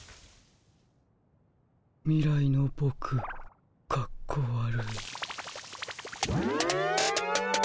未来のボクかっこ悪い。